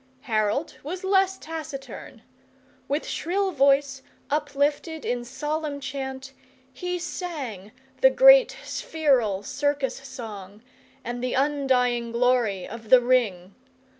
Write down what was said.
Harold was less taciturn. With shrill voice, uplifted in solemn chant, he sang the great spheral circus song, and the undying glory of the Ring.